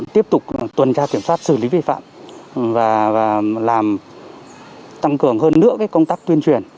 tiếp tục tuần tra kiểm soát xử lý vi phạm và làm tăng cường hơn nữa công tác tuyên truyền